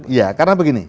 ya karena begini